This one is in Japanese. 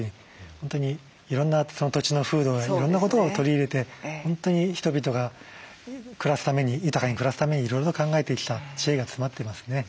本当にいろんな土地の風土やいろんなことを取り入れて本当に人々が豊かに暮らすためにいろいろと考えてきた知恵が詰まっていますね。